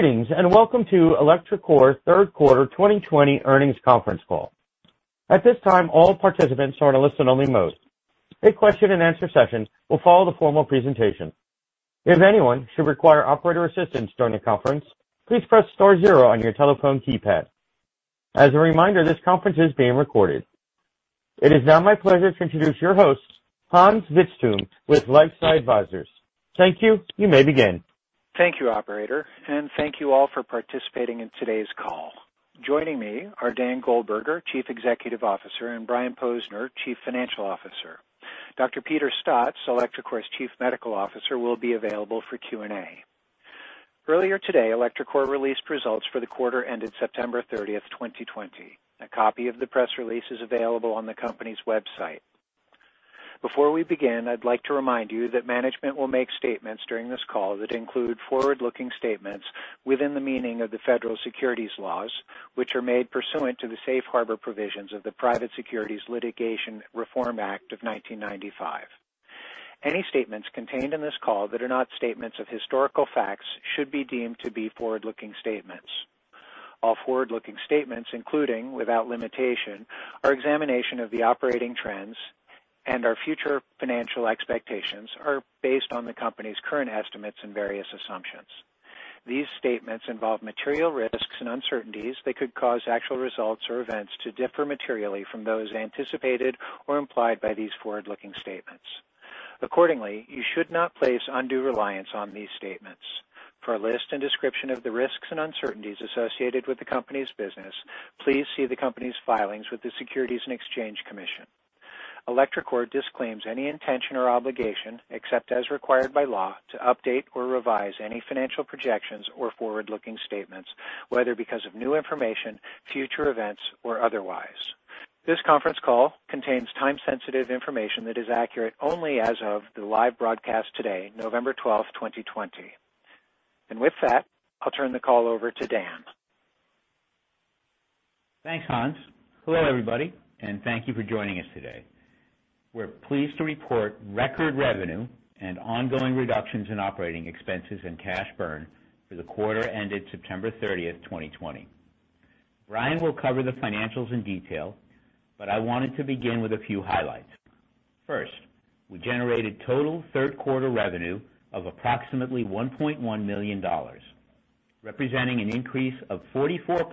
Greetings, and welcome to electroCore third quarter 2020 earnings conference call. At this time all participants are in a listen only mode. This question and answer session will follow the formal presentation. If anyone should require operator assistance during the conference, please press star zero on your telephone keypad. As a reminder, this conference is being recoreded. It is now my pleasure to introduce your host, Hans Vitzthum with LifeSci Advisors. Thank you. You may begin. Thank you, operator, and thank you all for participating in today's call. Joining me are Dan Goldberger, Chief Executive Officer, and Brian Posner, Chief Financial Officer. Dr. Peter Staats, electroCore's Chief Medical Officer, will be available for Q&A. Earlier today, electroCore released results for the quarter ended September 30th, 2020. A copy of the press release is available on the company's website. Before we begin, I'd like to remind you that management will make statements during this call that include forward-looking statements within the meaning of the federal securities laws, which are made pursuant to the safe harbor provisions of the Private Securities Litigation Reform Act of 1995. Any statements contained in this call that are not statements of historical facts should be deemed to be forward-looking statements. All forward-looking statements, including, without limitation, our examination of the operating trends and our future financial expectations, are based on the company's current estimates and various assumptions. These statements involve material risks and uncertainties that could cause actual results or events to differ materially from those anticipated or implied by these forward-looking statements. Accordingly, you should not place undue reliance on these statements. For a list and description of the risks and uncertainties associated with the company's business, please see the company's filings with the Securities and Exchange Commission. electroCore disclaims any intention or obligation, except as required by law, to update or revise any financial projections or forward-looking statements, whether because of new information, future events, or otherwise. This conference call contains time-sensitive information that is accurate only as of the live broadcast today, November 12th, 2020. With that, I'll turn the call over to Dan. Thanks, Hans. Hello, everybody, and thank you for joining us today. We're pleased to report record revenue and ongoing reductions in operating expenses and cash burn for the quarter ended September 30th, 2020. Brian will cover the financials in detail, but I wanted to begin with a few highlights. First, we generated total third quarter revenue of approximately $1.1 million, representing an increase of 44%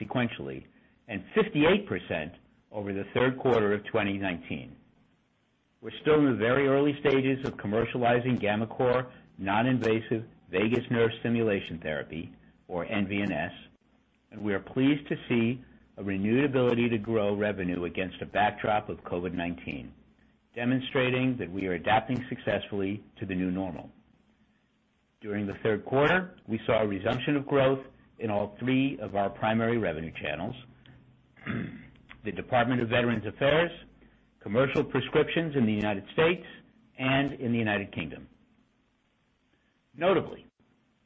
sequentially and 58% over the third quarter of 2019. We're still in the very early stages of commercializing gammaCore's non-invasive vagus nerve stimulation therapy, or nVNS, and we are pleased to see a renewed ability to grow revenue against a backdrop of COVID-19, demonstrating that we are adapting successfully to the new normal. During the third quarter, we saw a resumption of growth in all three of our primary revenue channels: the Department of Veterans Affairs, commercial prescriptions in the United States and in the United Kingdom. Notably,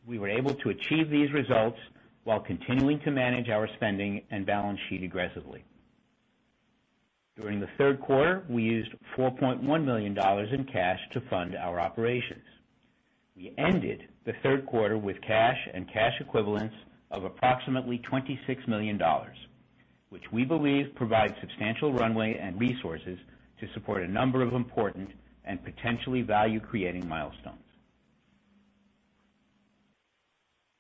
we were able to achieve these results while continuing to manage our spending and balance sheet aggressively. During the third quarter, we used $4.1 million in cash to fund our operations. We ended the third quarter with cash and cash equivalents of approximately $26 million, which we believe provides substantial runway and resources to support a number of important and potentially value-creating milestones.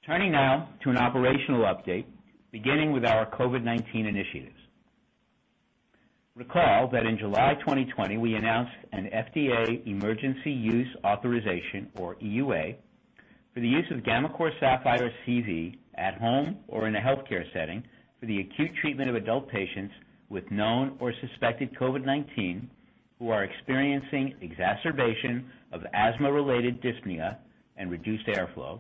Turning now to an operational update, beginning with our COVID-19 initiatives. Recall that in July 2020, we announced an FDA Emergency Use Authorization, or EUA, for the use of gammaCore Sapphire CV at home or in a healthcare setting for the acute treatment of adult patients with known or suspected COVID-19 who are experiencing exacerbation of asthma-related dyspnea and reduced airflow,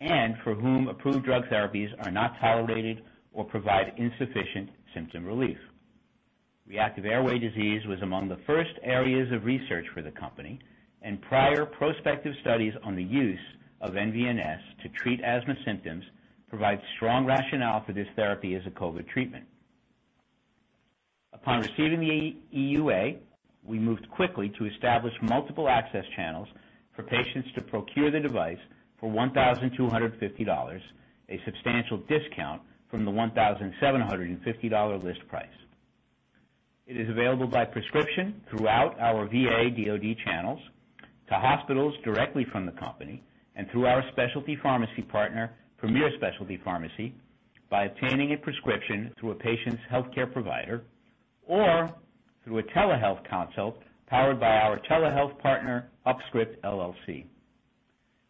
and for whom approved drug therapies are not tolerated or provide insufficient symptom relief. Reactive airway disease was among the first areas of research for the company, and prior prospective studies on the use of nVNS to treat asthma symptoms provide strong rationale for this therapy as a COVID treatment. Upon receiving the EUA, we moved quickly to establish multiple access channels for patients to procure the device for $1,250, a substantial discount from the $1,750 list price. It is available by prescription throughout our VA DoD channels to hospitals directly from the company and through our specialty pharmacy partner, Premier Specialty Pharmacy, by obtaining a prescription through a patient's healthcare provider or through a telehealth consult powered by our telehealth partner, UpScript LLC.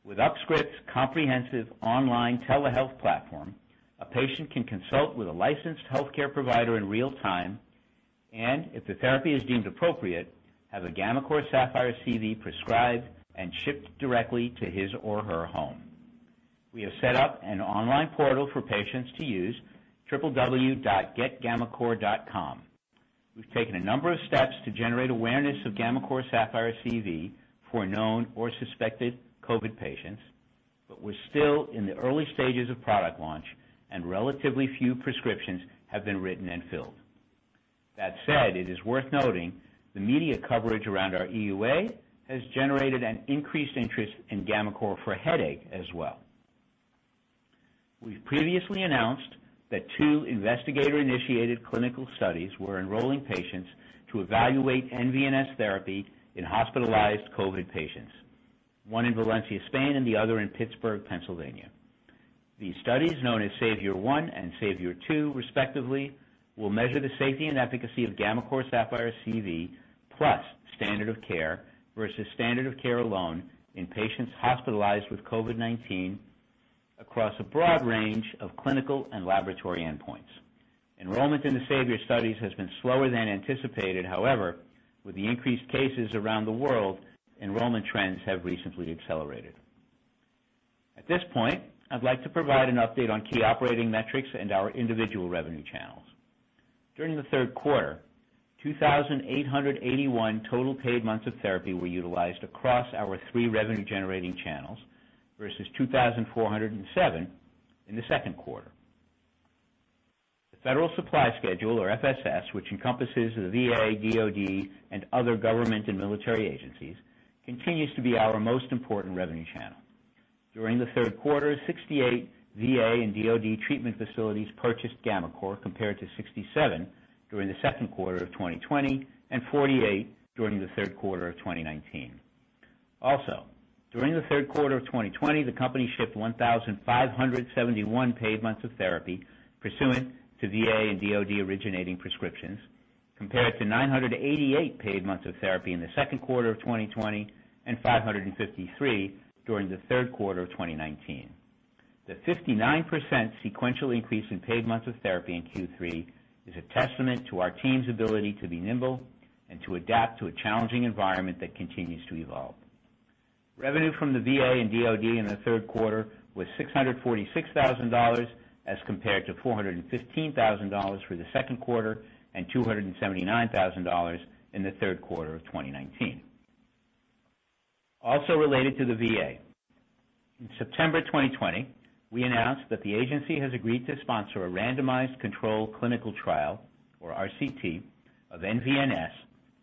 With UpScript's comprehensive online telehealth platform, a patient can consult with a licensed healthcare provider in real time, and if the therapy is deemed appropriate, have a gammaCore Sapphire CV prescribed and shipped directly to his or her home. We have set up an online portal for patients to use, www.getgammacore.com. We've taken a number of steps to generate awareness of gammaCore Sapphire CV for known or suspected COVID patients. We're still in the early stages of product launch and relatively few prescriptions have been written and filled. That said, it is worth noting the media coverage around our EUA has generated an increased interest in gammaCore for headache as well. We've previously announced that two investigator-initiated clinical studies were enrolling patients to evaluate nVNS therapy in hospitalized COVID patients, one in Valencia, Spain, and the other in Pittsburgh, Pennsylvania. These studies, known as SAVIOR-1 and SAVIOR-2 respectively, will measure the safety and efficacy of gammaCore Sapphire CV plus standard of care, versus standard of care alone in patients hospitalized with COVID-19 across a broad range of clinical and laboratory endpoints. Enrollment in the SAVIOR studies has been slower than anticipated. However, with the increased cases around the world, enrollment trends have recently accelerated. At this point, I'd like to provide an update on key operating metrics and our individual revenue channels. During the third quarter, 2,881 total paid months of therapy were utilized across our three revenue-generating channels versus 2,407 in the second quarter. The Federal Supply Schedule, or FSS, which encompasses the VA/DoD, and other government and military agencies, continues to be our most important revenue channel. During the third quarter, 68 VA and DoD treatment facilities purchased gammaCore compared to 67 during the second quarter of 2020 and 48 during the third quarter of 2019. During the third quarter of 2020, the company shipped 1,571 paid months of therapy pursuant to VA and DoD originating prescriptions, compared to 988 paid months of therapy in the second quarter of 2020 and 553 during the third quarter of 2019. The 59% sequential increase in paid months of therapy in Q3 is a testament to our team's ability to be nimble and to adapt to a challenging environment that continues to evolve. Revenue from the VA and DoD in the third quarter was $646,000 as compared to $415,000 for the second quarter and $279,000 in the third quarter of 2019. Related to the VA, in September 2020, we announced that the agency has agreed to sponsor a randomized control clinical trial, or RCT, of nVNS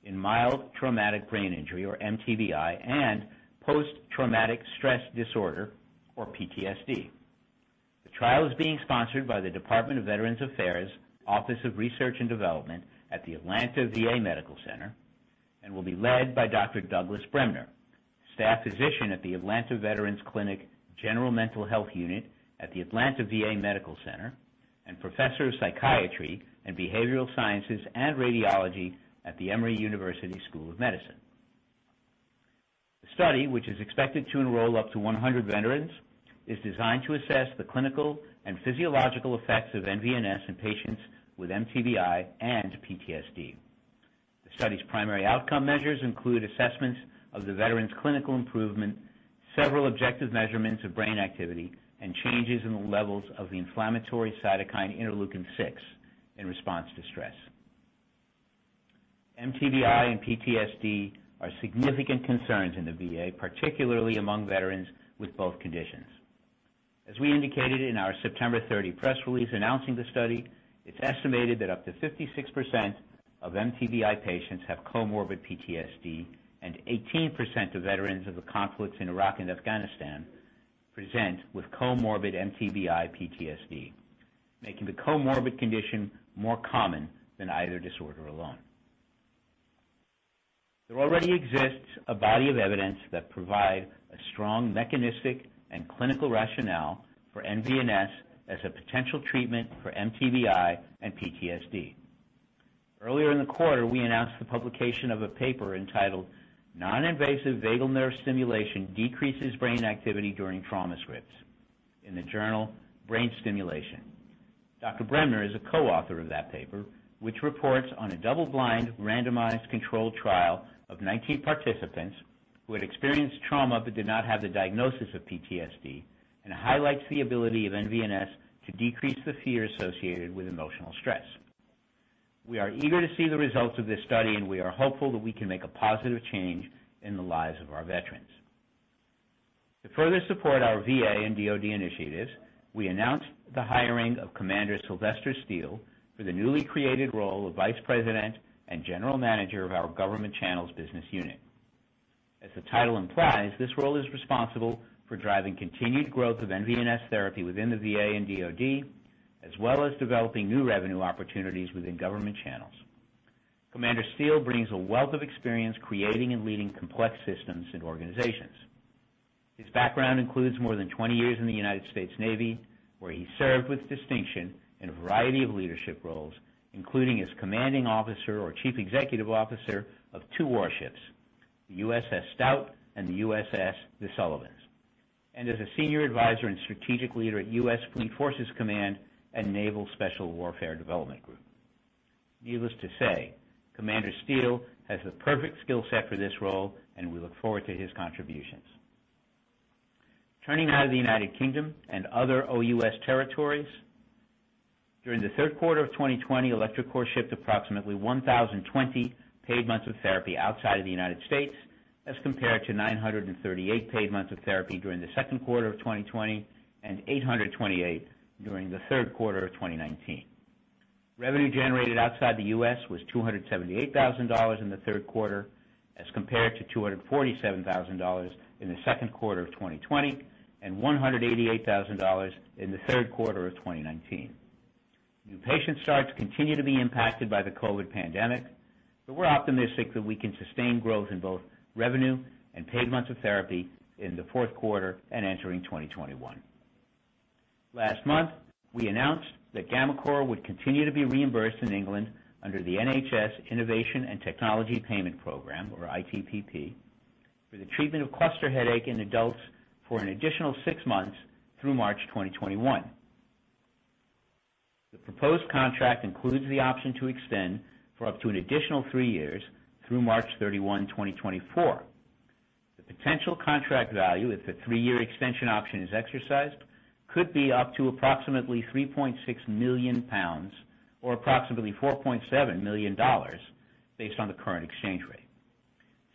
in mild traumatic brain injury, or mTBI, and Post-Traumatic Stress Disorder or PTSD. The trial is being sponsored by the Department of Veterans Affairs Office of Research and Development at the Atlanta VA Medical Center and will be led by Dr. Douglas Bremner, staff physician at the Atlanta Veterans Clinic General Mental Health Unit at the Atlanta VA Medical Center and professor of psychiatry and behavioral sciences and radiology at the Emory University School of Medicine. The study, which is expected to enroll up to 100 veterans, is designed to assess the clinical and physiological effects of nVNS in patients with mTBI and PTSD. The study's primary outcome measures include assessments of the veterans' clinical improvement, several objective measurements of brain activity, and changes in the levels of the inflammatory cytokine interleukin-6 in response to stress. mTBI and PTSD are significant concerns in the VA, particularly among veterans with both conditions. As we indicated in our September 30 press release announcing the study, it's estimated that up to 56% of mTBI patients have comorbid PTSD, and 18% of veterans of the conflicts in Iraq and Afghanistan present with comorbid mTBI/PTSD, making the comorbid condition more common than either disorder alone. There already exists a body of evidence that provide a strong mechanistic and clinical rationale for nVNS as a potential treatment for mTBI and PTSD. Earlier in the quarter, we announced the publication of a paper entitled "Non-Invasive Vagal Nerve Stimulation Decreases Brain Activity During Trauma Scripts" in the journal Brain Stimulation. Dr. Bremner is a co-author of that paper, which reports on a double-blind randomized controlled trial of 19 participants who had experienced trauma but did not have the diagnosis of PTSD, and highlights the ability of nVNS to decrease the fear associated with emotional stress. We are eager to see the results of this study, and we are hopeful that we can make a positive change in the lives of our veterans. To further support our VA and DoD initiatives, we announced the hiring of Commander Sylvester Steele for the newly created role of Vice President and General Manager of our Government Channels Business Unit. As the title implies, this role is responsible for driving continued growth of nVNS therapy within the VA and DoD, as well as developing new revenue opportunities within government channels. Commander Steele brings a wealth of experience creating and leading complex systems and organizations. His background includes more than 20 years in the United States Navy, where he served with distinction in a variety of leadership roles, including as Commanding Officer or Chief Executive Officer of two warships, the USS Stout and the USS The Sullivans, and as a Senior Advisor and strategic leader at U.S. Fleet Forces Command and Naval Special Warfare Development Group. Needless to say, Commander Steele has the perfect skill set for this role, and we look forward to his contributions. Turning now to the United Kingdom and other OUS territories, during the third quarter of 2020, electroCore shipped approximately 1,020 paid months of therapy outside of the United States. As compared to 938 paid months of therapy during the second quarter of 2020 and 828 during the third quarter of 2019. Revenue generated outside the U.S. was $278,000 in the third quarter as compared to $247,000 in the second quarter of 2020 and $188,000 in the third quarter of 2019. New patient starts continue to be impacted by the COVID-19 pandemic, but we're optimistic that we can sustain growth in both revenue and paid months of therapy in the fourth quarter and entering 2021. Last month, we announced that gammaCore would continue to be reimbursed in England under the NHS Innovation and Technology Payment programme, or ITP, for the treatment of cluster headache in adults for an additional six months through March 2021. The proposed contract includes the option to extend for up to an additional three years through March 31, 2024. The potential contract value, if the three-year extension option is exercised, could be up to approximately 3.6 million pounds or approximately $4.7 million based on the current exchange rate.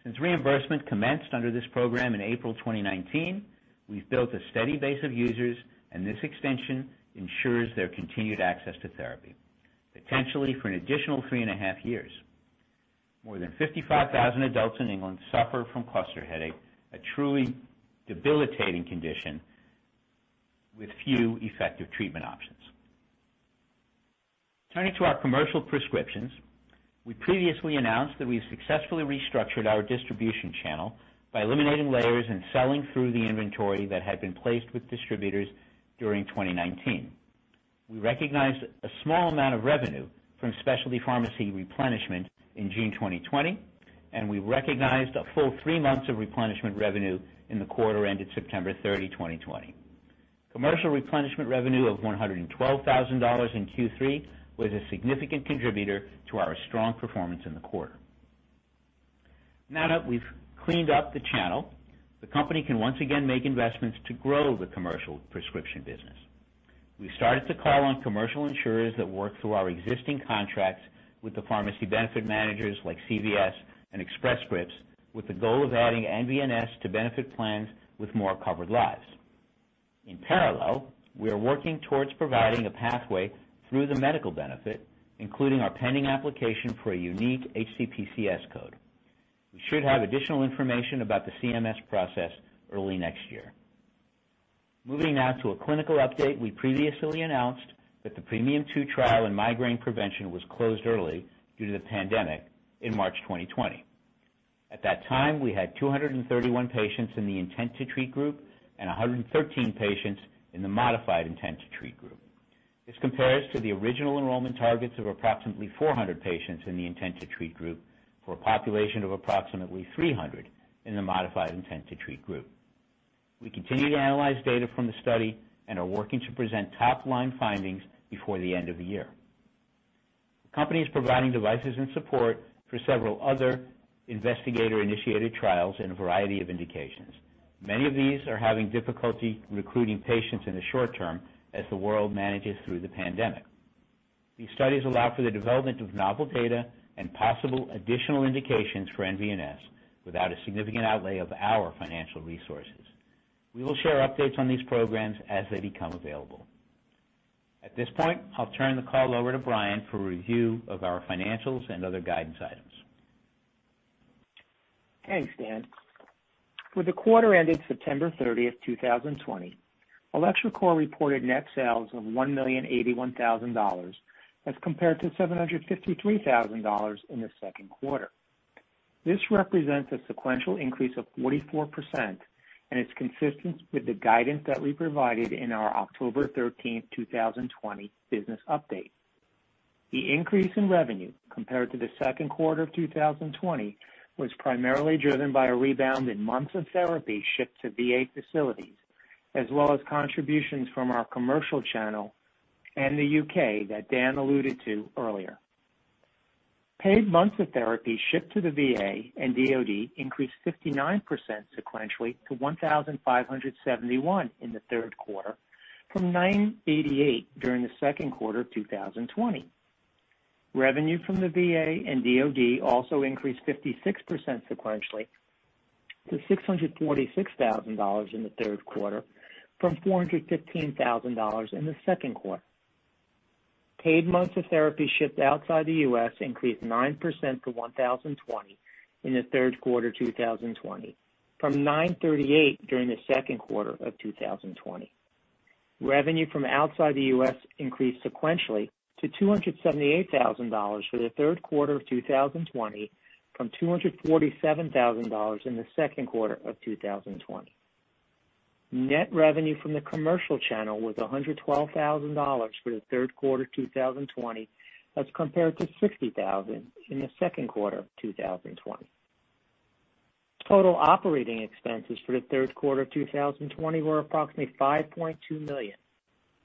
Since reimbursement commenced under this program in April 2019, we've built a steady base of users, and this extension ensures their continued access to therapy, potentially for an additional three and a half years. More than 55,000 adults in England suffer from cluster headache, a truly debilitating condition with few effective treatment options. Turning to our commercial prescriptions, we previously announced that we successfully restructured our distribution channel by eliminating layers and selling through the inventory that had been placed with distributors during 2019. We recognized a small amount of revenue from specialty pharmacy replenishment in June 2020, and we recognized a full three months of replenishment revenue in the quarter ended September 30, 2020. Commercial replenishment revenue of $112,000 in Q3 was a significant contributor to our strong performance in the quarter. Now that we've cleaned up the channel, the company can once again make investments to grow the commercial prescription business. We started to call on commercial insurers that work through our existing contracts with the pharmacy benefit managers like CVS and Express Scripts, with the goal of adding nVNS to benefit plans with more covered lives. In parallel, we are working towards providing a pathway through the medical benefit, including our pending application for a unique HCPCS code. We should have additional information about the CMS process early next year. Moving now to a clinical update. We previously announced that the PREMIUM II trial in migraine prevention was closed early due to the pandemic in March 2020. At that time, we had 231 patients in the intent to treat group and 113 patients in the modified intent to treat group. This compares to the original enrollment targets of approximately 400 patients in the intent to treat group for a population of approximately 300 in the modified intent to treat group. We continue to analyze data from the study and are working to present top-line findings before the end of the year. The company is providing devices and support for several other investigator-initiated trials in a variety of indications. Many of these are having difficulty recruiting patients in the short term as the world manages through the pandemic. These studies allow for the development of novel data and possible additional indications for nVNS without a significant outlay of our financial resources. We will share updates on these programs as they become available. At this point, I'll turn the call over to Brian for a review of our financials and other guidance items. Thanks, Dan. For the quarter ended September 30th, 2020, electroCore reported net sales of $1,081,000 as compared to $753,000 in the second quarter. This represents a sequential increase of 44% and is consistent with the guidance that we provided in our October 13th, 2020 business update. The increase in revenue compared to the second quarter of 2020 was primarily driven by a rebound in months of therapy shipped to VA facilities, as well as contributions from our commercial channel and the U.K. that Dan alluded to earlier. Paid months of therapy shipped to the VA and DoD increased 59% sequentially to 1,571 in the third quarter from 988 during the second quarter of 2020. Revenue from the VA and DoD also increased 56% sequentially to $646,000 in the third quarter from $415,000 in the second quarter. Paid months of therapy shipped outside the U.S. increased 9% to 1,020 in the third quarter 2020 from 938 during the second quarter of 2020. Revenue from outside the U.S. increased sequentially to $278,000 for the third quarter of 2020 from $247,000 in the second quarter of 2020. Net revenue from the commercial channel was $112,000 for the third quarter 2020, as compared to $60,000 in the second quarter of 2020. Total operating expenses for the third quarter of 2020 were approximately $5.2 million,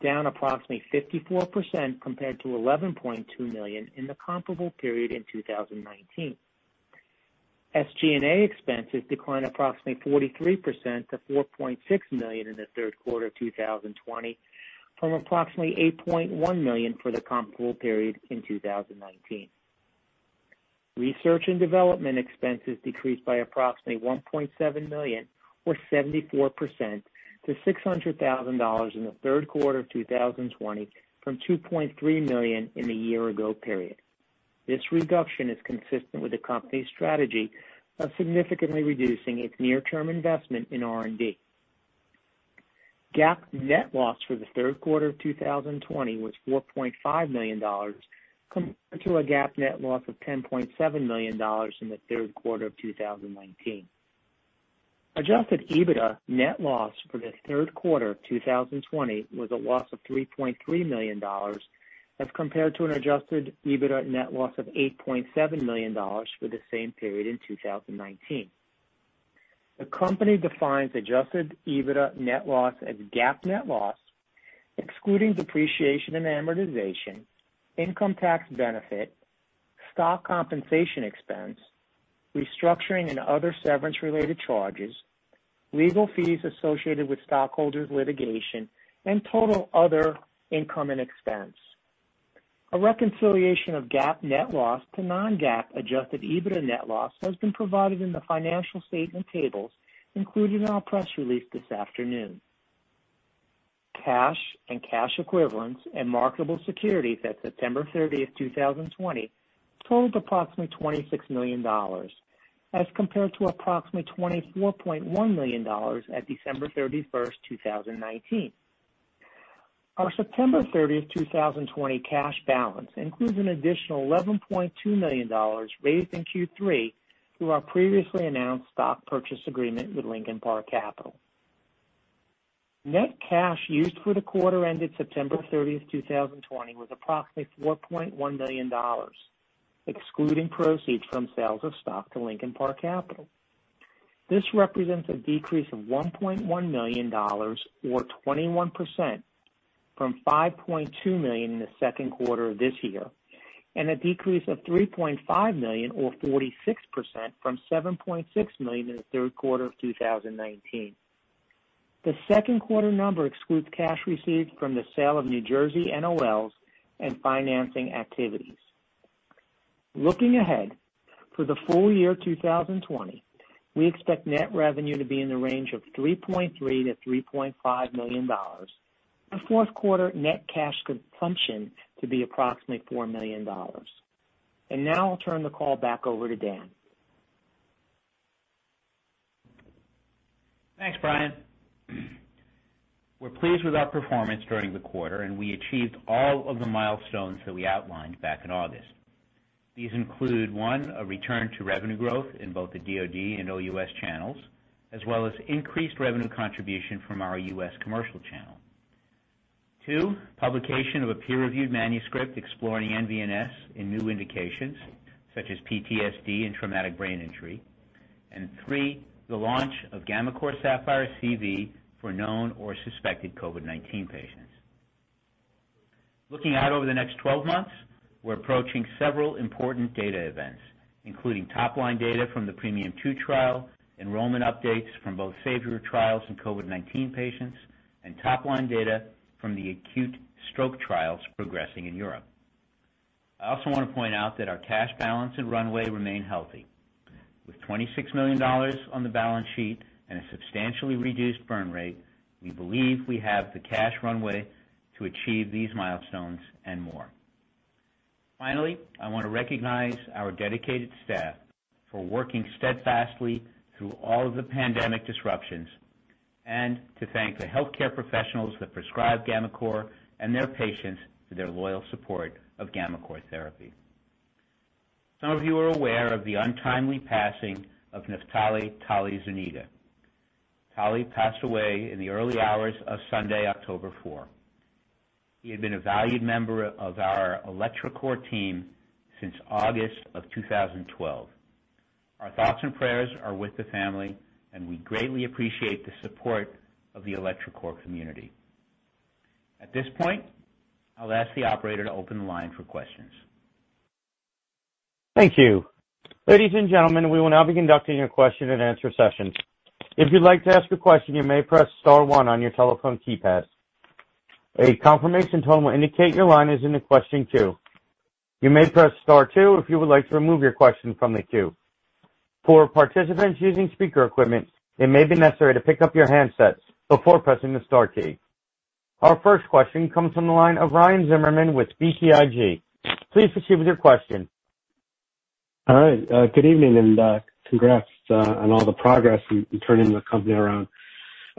down approximately 54% compared to $11.2 million in the comparable period in 2019. SG&A expenses declined approximately 43% to $4.6 million in the third quarter of 2020 from approximately $8.1 million for the comparable period in 2019. Research and development expenses decreased by approximately $1.7 million, or 74%, to $600,000 in the third quarter of 2020 from $2.3 million in the year ago period. This reduction is consistent with the company's strategy of significantly reducing its near-term investment in R&D. GAAP net loss for the third quarter of 2020 was $4.5 million, compared to a GAAP net loss of $10.7 million in the third quarter of 2019. Adjusted EBITDA net loss for the third quarter of 2020 was a loss of $3.3 million as compared to an adjusted EBITDA net loss of $8.7 million for the same period in 2019. The company defines adjusted EBITDA net loss as GAAP net loss, excluding depreciation and amortization, income tax benefit, stock compensation expense, restructuring and other severance-related charges, legal fees associated with stockholders' litigation, and total other income and expense. A reconciliation of GAAP net loss to non-GAAP adjusted EBITDA net loss has been provided in the financial statement tables included in our press release this afternoon. Cash and cash equivalents and marketable securities at September 30th, 2020 totaled approximately $26 million, as compared to approximately $24.1 million at December 31st, 2019. Our September 30th, 2020 cash balance includes an additional $11.2 million raised in Q3 through our previously announced stock purchase agreement with Lincoln Park Capital. Net cash used for the quarter ended September 30th, 2020 was approximately $4.1 million, excluding proceeds from sales of stock to Lincoln Park Capital. This represents a decrease of $1.1 million, or 21%, from $5.2 million in the second quarter of this year, and a decrease of $3.5 million, or 46%, from $7.6 million in the third quarter of 2019. The second quarter number excludes cash received from the sale of New Jersey NOLs and financing activities. Looking ahead, for the full year 2020, we expect net revenue to be in the range of $3.3 million-$3.5 million, and fourth quarter net cash consumption to be approximately $4 million. Now I'll turn the call back over to Dan. Thanks, Brian. We're pleased with our performance during the quarter. We achieved all of the milestones that we outlined back in August. These include, one, a return to revenue growth in both the DoD and OUS channels, as well as increased revenue contribution from our U.S. commercial channel. Two, publication of a peer-reviewed manuscript exploring nVNS in new indications such as PTSD and traumatic brain injury. Three, the launch of gammaCore Sapphire CV for known or suspected COVID-19 patients. Looking out over the next 12 months, we're approaching several important data events, including top-line data from the PREMIUM II trial, enrollment updates from both SAVIOR trials in COVID-19 patients, and top-line data from the acute stroke trials progressing in Europe. I also want to point out that our cash balance and runway remain healthy. With $26 million on the balance sheet and a substantially reduced burn rate, we believe we have the cash runway to achieve these milestones and more. Finally, I want to recognize our dedicated staff for working steadfastly through all of the pandemic disruptions, and to thank the healthcare professionals that prescribe gammaCore and their patients for their loyal support of gammaCore therapy. Some of you are aware of the untimely passing of Neftali "Tali" Zuniga. Tali passed away in the early hours of Sunday, October 4. He had been a valued member of our electroCore team since August of 2012. Our thoughts and prayers are with the family, and we greatly appreciate the support of the electroCore community. At this point, I'll ask the operator to open the line for questions. Thank you. Our first question comes from the line of Ryan Zimmerman with BTIG. Please proceed with your question. All right. Good evening, congrats on all the progress in turning the company around.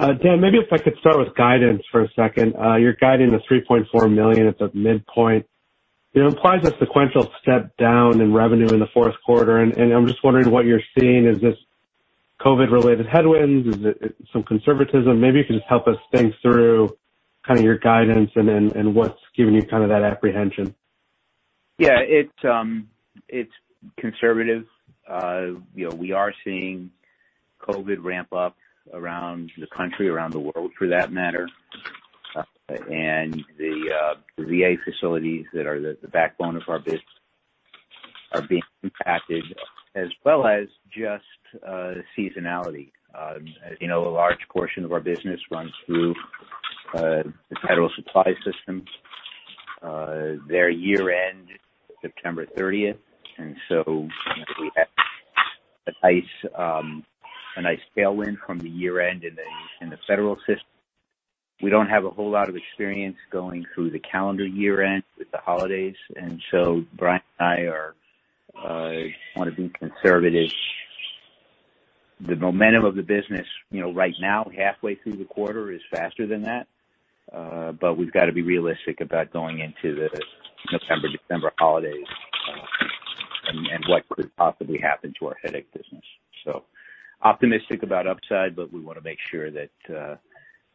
Dan, maybe if I could start with guidance for a second. You're guiding the $3.4 million at the midpoint. It implies a sequential step-down in revenue in the fourth quarter. I'm just wondering what you're seeing. Is this COVID-related headwinds? Is it some conservatism? Maybe you could just help us think through your guidance, what's giving you that apprehension. Yeah. It's conservative. We are seeing COVID ramp up around the country, around the world for that matter. The VA facilities that are the backbone of our business Are being impacted, as well as just seasonality. A large portion of our business runs through the federal supply system. Their year end is September 30th, and so we have a nice tailwind from the year end in the federal system. We don't have a whole lot of experience going through the calendar year end with the holidays, and so Brian and I want to be conservative. The momentum of the business right now, halfway through the quarter, is faster than that. We've got to be realistic about going into the November, December holidays, and what could possibly happen to our headache business. Optimistic about upside, but we want to make sure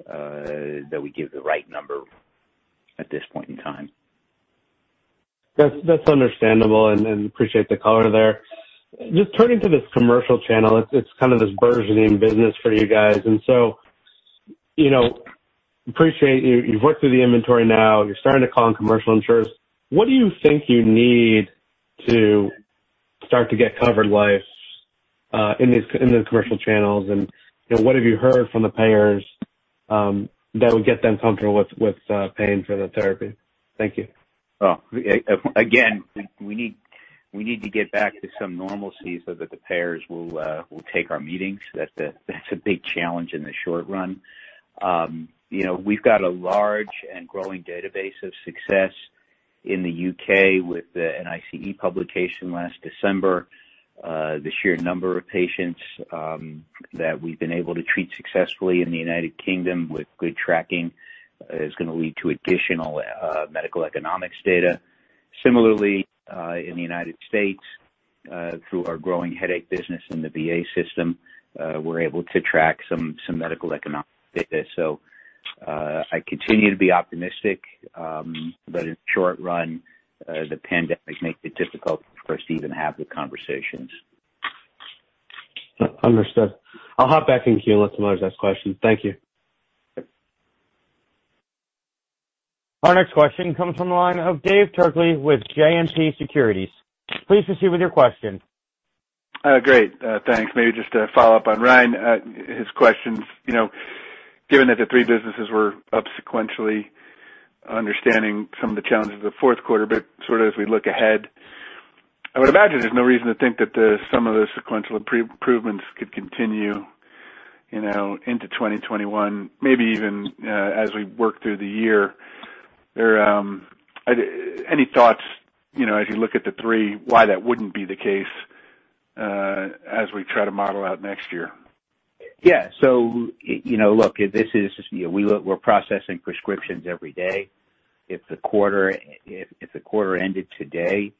that we give the right number at this point in time. That's understandable, and appreciate the color there. Just turning to this commercial channel, it's kind of this burgeoning business for you guys. Appreciate you've worked through the inventory now, you're starting to call on commercial insurers. What do you think you need to start to get covered lives in the commercial channels, and what have you heard from the payers that would get them comfortable with paying for the therapy? Thank you. Well, again, we need to get back to some normalcy so that the payers will take our meetings. That's a big challenge in the short run. We've got a large and growing database of success in the U.K. with the NICE publication last December. The sheer number of patients that we've been able to treat successfully in the United Kingdom with good tracking is going to lead to additional medical economics data. Similarly, in the United States, through our growing headache business in the VA system, we're able to track some medical economics data. I continue to be optimistic, but in the short run, the pandemic makes it difficult for us to even have the conversations. Understood. I'll hop back in queue unless someone has ask questions. Thank you. Our next question comes from the line of Dave Turkaly with JMP Securities. Please proceed with your question. Great. Thanks. Maybe just to follow up on Ryan, his questions. Given that the three businesses were up sequentially, understanding some of the challenges of the fourth quarter, but sort of as we look ahead, I would imagine there's no reason to think that some of those sequential improvements could continue into 2021, maybe even as we work through the year. Any thoughts, as you look at the three, why that wouldn't be the case as we try to model out next year? Yeah. Look, we're processing prescriptions every day. If the quarter ended today,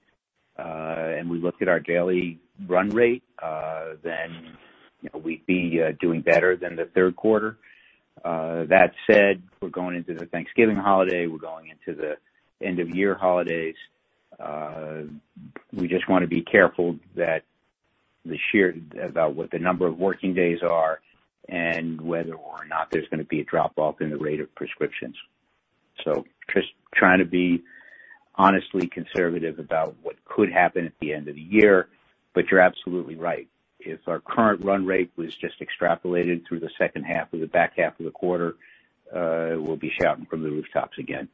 and we looked at our daily run rate, then we'd be doing better than the third quarter. That said, we're going into the Thanksgiving holiday, we're going into the end of year holidays. We just want to be careful about what the number of working days are and whether or not there's going to be a drop off in the rate of prescriptions. Just trying to be honestly conservative about what could happen at the end of the year. You're absolutely right. If our current run rate was just extrapolated through the second half of the back half of the quarter, we'll be shouting from the rooftops again.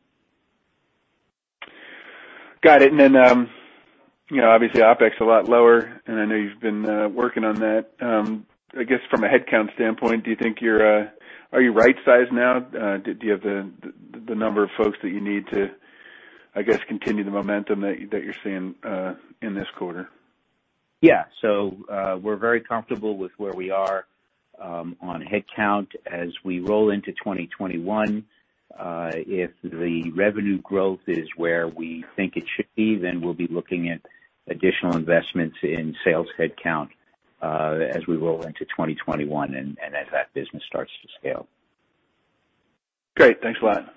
Got it. Obviously, OpEx a lot lower, and I know you've been working on that. I guess from a headcount standpoint, are you right-sized now? Do you have the number of folks that you need to, I guess, continue the momentum that you're seeing in this quarter? We're very comfortable with where we are on headcount as we roll into 2021. If the revenue growth is where we think it should be, we'll be looking at additional investments in sales headcount as we roll into 2021 and as that business starts to scale. Great. Thanks a lot.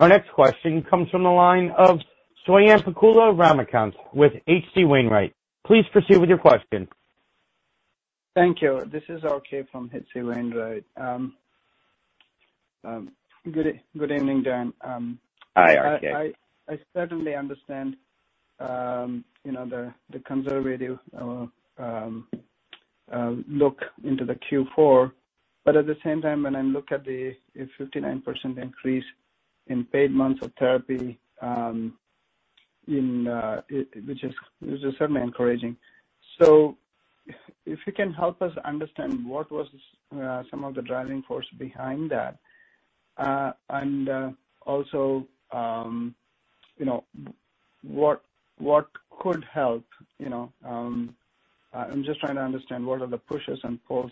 Our next question comes from the line of Swayampakula Ramakanth with H.C. Wainwright. Please proceed with your question. Thank you. This is RK from H.C. Wainwright. Good evening, Dan. Hi, RK. I certainly understand the conservative look into the Q4. At the same time, when I look at the 59% increase in paid months of therapy, which is certainly encouraging. If you can help us understand what was some of the driving force behind that, and also what could help. I'm just trying to understand what are the pushes and pulls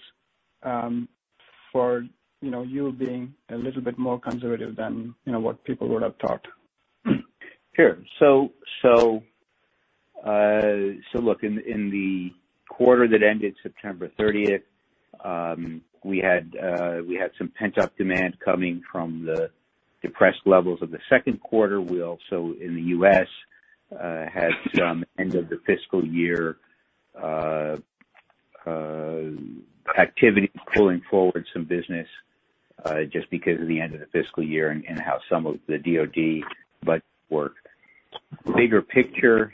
for you being a little bit more conservative than what people would have thought. Sure. In the quarter that ended September 30th, we had some pent-up demand coming from the depressed levels of the second quarter. We also, in the U.S., had some end of the fiscal year activity pulling forward some business, just because of the end of the fiscal year and how some of the DoD budgets work. Bigger picture,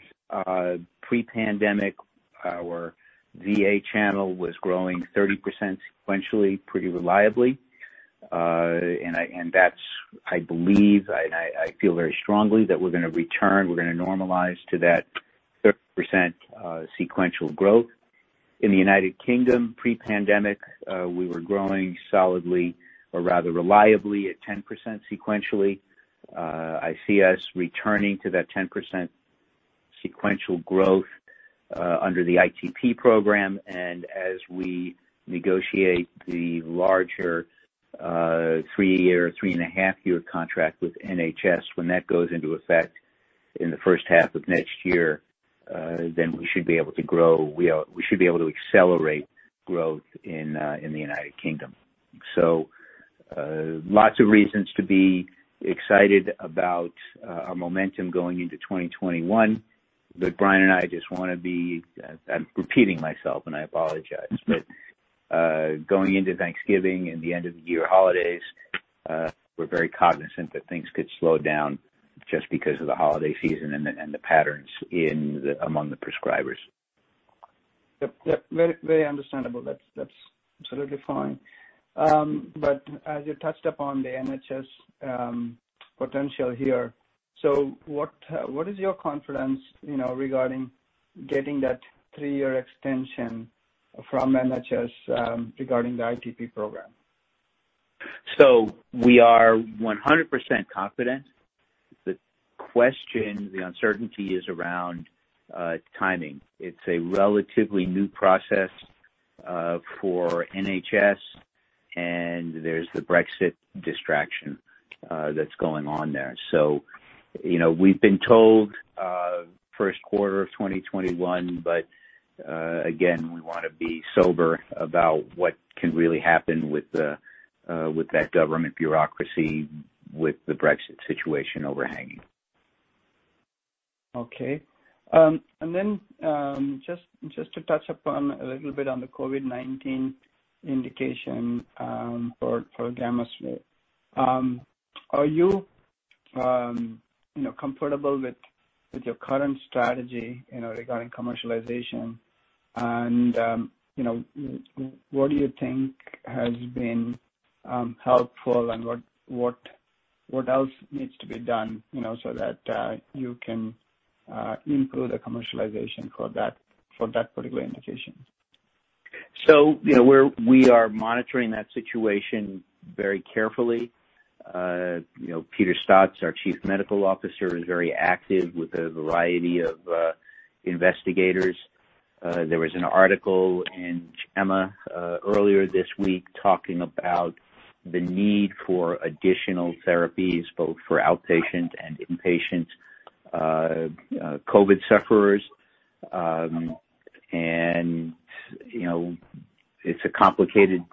pre-pandemic, our VA channel was growing 30% sequentially, pretty reliably. I feel very strongly that we're going to normalize to that 30% sequential growth. In the United Kingdom pre-pandemic, we were growing solidly, or rather reliably, at 10% sequentially. I see us returning to that 11% sequential growth under the ITP program and as we negotiate the larger three-year, three-and-a-half year contract with NHS. When that goes into effect in the first half of next year, then we should be able to accelerate growth in the United Kingdom. Lots of reasons to be excited about our momentum going into 2021. Brian and I just want to be, I'm repeating myself and I apologize, but going into Thanksgiving and the end of the year holidays, we're very cognizant that things could slow down just because of the holiday season and the patterns among the prescribers. Yep. Very understandable. That's absolutely fine. As you touched upon the NHS potential here, what is your confidence regarding getting that three-year extension from NHS regarding the ITP Program? We are 100% confident. The question, the uncertainty is around timing. It's a relatively new process for NHS and there's the Brexit distraction that's going on there. We've been told first quarter of 2021, but again, we want to be sober about what can really happen with that government bureaucracy, with the Brexit situation overhanging. Okay. Just to touch upon a little bit on the COVID-19 indication for [gamma-S]. Are you comfortable with your current strategy regarding commercialization and what do you think has been helpful and what else needs to be done, so that you can improve the commercialization for that particular indication? We are monitoring that situation very carefully. Peter Staats, our Chief Medical Officer, is very active with a variety of investigators. There was an article in JAMA earlier this week talking about the need for additional therapies, both for outpatient and inpatient COVID sufferers. It's a complicated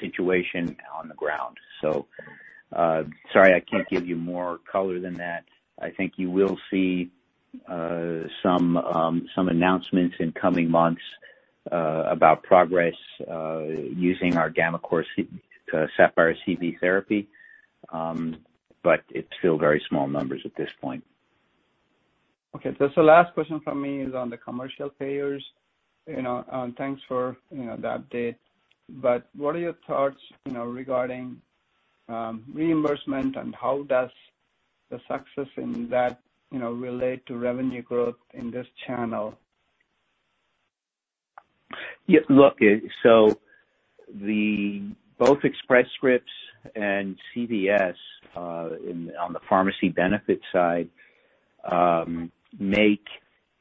situation on the ground. Sorry I can't give you more color than that. I think you will see some announcements in coming months about progress using our gammaCore Sapphire CV therapy, but it's still very small numbers at this point. The last question from me is on the commercial payers. Thanks for the update. What are your thoughts regarding reimbursement and how does the success in that relate to revenue growth in this channel? Look, both Express Scripts and CVS, on the pharmacy benefit side, make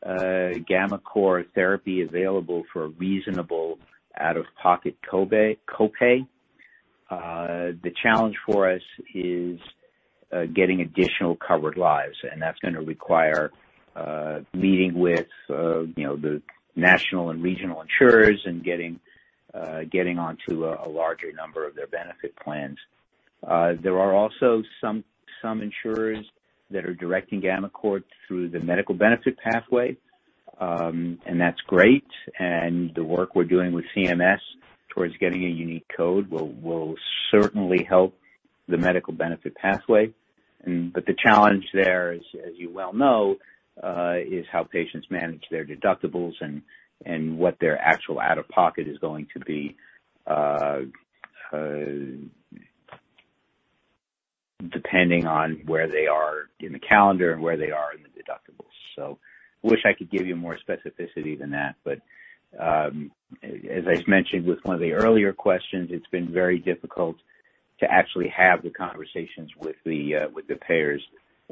gammaCore therapy available for a reasonable out-of-pocket copay. The challenge for us is getting additional covered lives, that's going to require meeting with the national and regional insurers and getting onto a larger number of their benefit plans. There are also some insurers that are directing gammaCore through the medical benefit pathway, and that's great. The work we're doing with CMS towards getting a unique code will certainly help the medical benefit pathway. The challenge there, as you well know, is how patients manage their deductibles and what their actual out-of-pocket is going to be, depending on where they are in the calendar and where they are in the deductibles. I wish I could give you more specificity than that, but, as I mentioned with one of the earlier questions, it's been very difficult to actually have the conversations with the payers.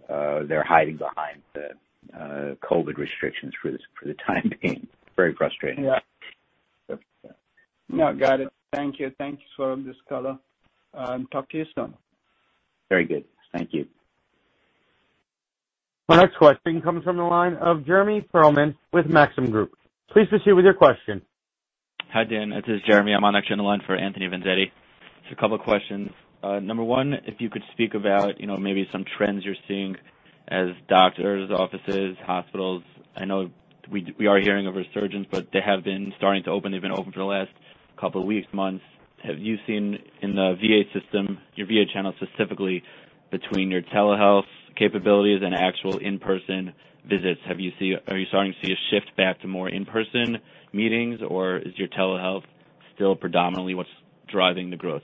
They're hiding behind the COVID restrictions for the time being. Very frustrating. Yeah. No, got it. Thank you. Thanks for this color. Talk to you soon. Very good. Thank you. Our next question comes from the line of Jeremy Pearlman with Maxim Group. Please proceed with your question. Hi, Dan. This is Jeremy. I'm actually on the line for Anthony Vendetti. Just a couple questions. Number one, if you could speak about maybe some trends you're seeing as doctors' offices, hospitals. I know we are hearing of a resurgence, but they have been starting to open. They've been open for the last couple weeks, months. Have you seen in the VA system, your VA channel specifically, between your telehealth capabilities and actual in-person visits, are you starting to see a shift back to more in-person meetings, or is your telehealth still predominantly what's driving the growth?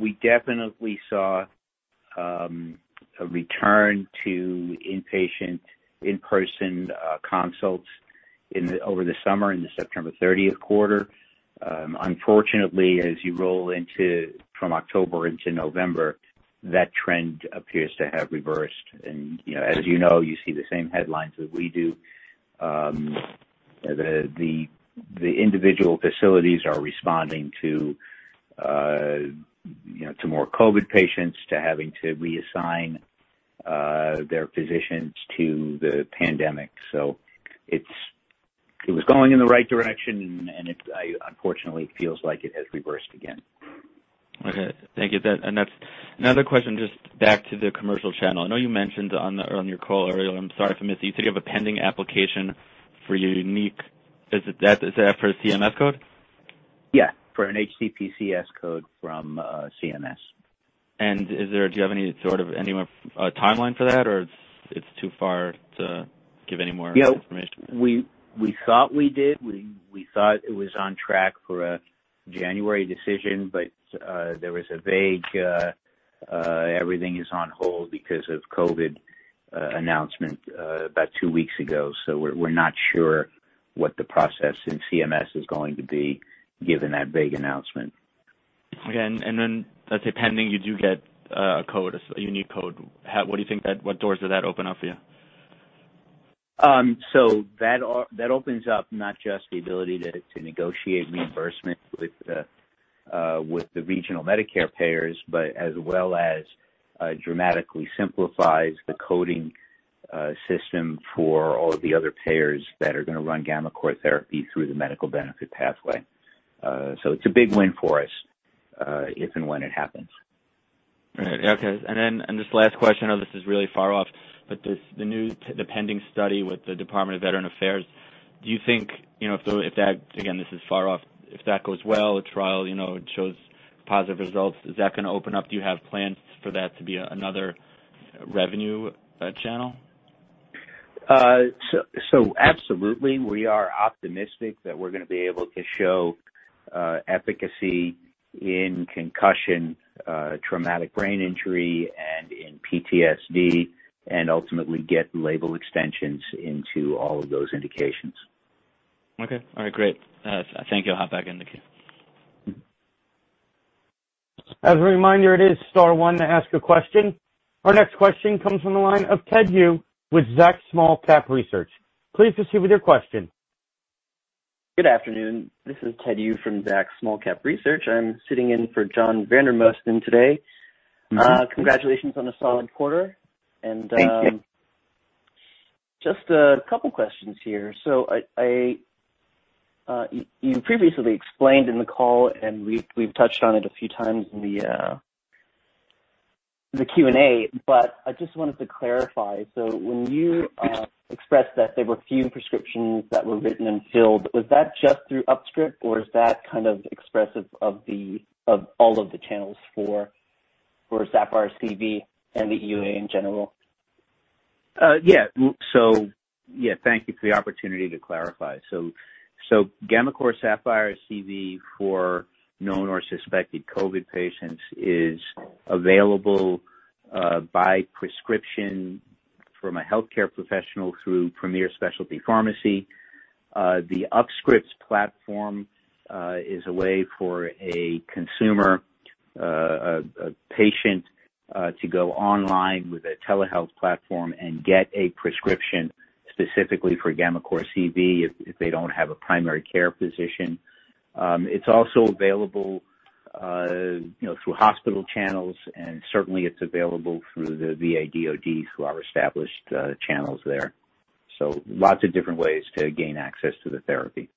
We definitely saw a return to in-patient, in-person consults over the summer, in the September 30th quarter. Unfortunately, as you roll from October into November, that trend appears to have reversed. As you know, you see the same headlines that we do. The individual facilities are responding to more COVID patients, to having to reassign their physicians to the pandemic. It was going in the right direction, and it, unfortunately, feels like it has reversed again. Okay. Thank you. That's another question, just back to the commercial channel. I know you mentioned on your call earlier, I'm sorry if I missed it, you said you have a pending application for your unique, is that for a CMS code? Yeah. For an HCPCS code from CMS. Do you have any sort of timeline for that, or it's too far to give any more information? We thought we did. We thought it was on track for a January decision. There was a vague, everything is on hold because of COVID announcement about two weeks ago. We're not sure what the process in CMS is going to be given that vague announcement. Okay. Let's say pending you do get a code, a unique code. What doors does that open up for you? That opens up not just the ability to negotiate reimbursement with the regional Medicare payers, but as well as dramatically simplifies the coding system for all of the other payers that are going to run gammaCore therapy through the medical benefit pathway. It's a big win for us, if and when it happens. Right. Okay. This is the last question, I know this is really far off, the pending study with the Department of Veterans Affairs, do you think, again, this is far off, if that goes well, the trial, it shows positive results, is that going to open up, do you have plans for that to be another revenue channel? Absolutely. We are optimistic that we're going to be able to show efficacy in concussion, traumatic brain injury, and in PTSD, and ultimately get label extensions into all of those indications. Okay. All right. Great. Thank you. I'll hop back in the queue. As a reminder, it is star one to ask a question. Our next question comes from the line of Ted Yu with Zacks Small Cap Research. Please proceed with your question. Good afternoon. This is Ted Yu from Zacks Small-Cap Research. I'm sitting in for John Vandermosten today. Congratulations on a solid quarter. Thank you. Just a couple questions here. You previously explained in the call, and we've touched on it a few times in the Q&A, but I just wanted to clarify. When you expressed that there were few prescriptions that were written and filled, was that just through UpScript, or is that kind of expressive of all of the channels for Sapphire CV and the EUA in general? Yeah. Thank you for the opportunity to clarify. gammaCore Sapphire CV, for known or suspected COVID patients, is available by prescription from a healthcare professional through Premier Specialty Pharmacy. The UpScript platform is a way for a consumer, a patient, to go online with a telehealth platform and get a prescription specifically for gammaCore CV if they don't have a primary care physician. It's also available through hospital channels, and certainly it's available through the VA/DoD, through our established channels there. Lots of different ways to gain access to the therapy.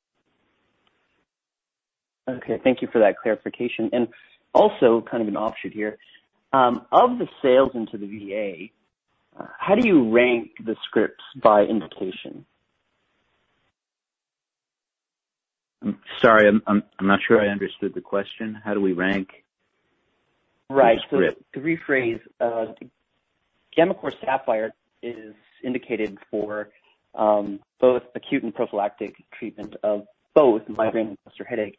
Okay, thank you for that clarification. Also kind of an offshoot here. Of the sales into the VA, how do you rank the scripts by indication? I'm sorry, I'm not sure I understood the question. How do we rank the script? Right. To rephrase, gammaCore Sapphire is indicated for both acute and prophylactic treatment of both migraine and cluster headache.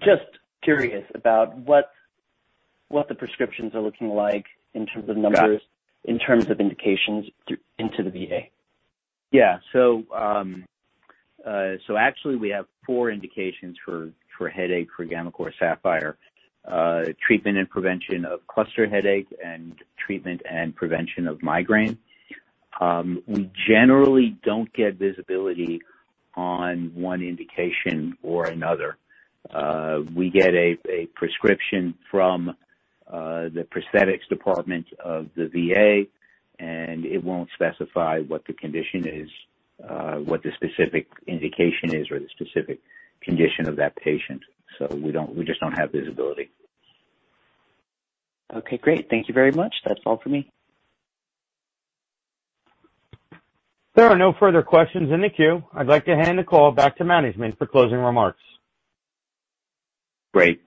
Just curious about what the prescriptions are looking like in terms of numbers, in terms of indications into the VA. Yeah. Actually we have four indications for headache for gammaCore Sapphire. Treatment and prevention of cluster headache and treatment and prevention of migraine. We generally don't get visibility on one indication or another. We get a prescription from the prosthetics department of the VA, and it won't specify what the condition is, what the specific indication is or the specific condition of that patient. We just don't have visibility. Okay, great. Thank you very much. That's all for me. There are no further questions in the queue. I'd like to hand the call back to management for closing remarks. Great.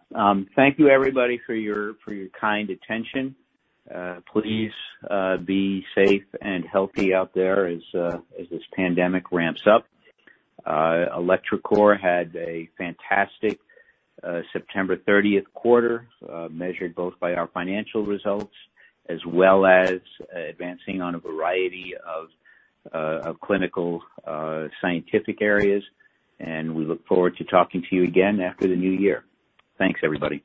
Thank you everybody for your kind attention. Please be safe and healthy out there as this pandemic ramps up. electroCore had a fantastic September 30th quarter, measured both by our financial results as well as advancing on a variety of clinical scientific areas. We look forward to talking to you again after the new year. Thanks, everybody.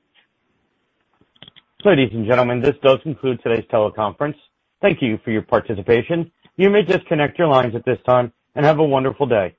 Ladies and gentlemen, this does conclude today's teleconference. Thank you for your participation. You may disconnect your lines at this time, and have a wonderful day.